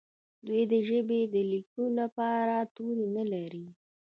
دوی د ژبې د لیکلو لپاره توري نه لري.